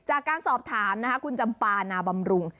จากการสอบถามนะคะคุณจำปานาบำรุง